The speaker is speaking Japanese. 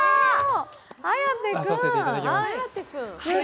はい！